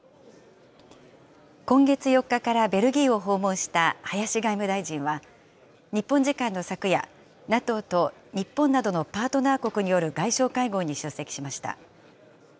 今月４日からベルギーを訪問した林外務大臣は、日本時間の昨夜、ＮＡＴＯと日本などのパートナー国による外相会合に出席しました。